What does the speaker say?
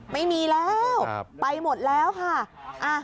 ไม่มีแล้วไปหมดแล้วค่ะ